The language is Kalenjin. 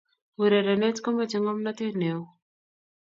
urerenet komache ngomnotet neo